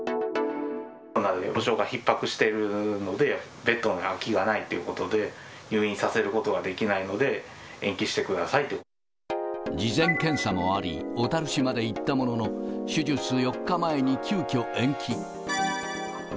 コロナで病床がひっ迫しているので、ベッドに空きがないということで、入院させることができないので、事前検査もあり、小樽市まで行ったものの、手術４日前に急きょ、延期に。